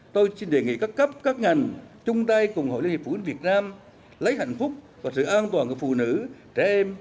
tôi xin đề nghị các cấp các ngành chung tay cùng hội liên hiệp phụ nữ việt nam lấy hạnh phúc và sự an toàn của phụ nữ trẻ em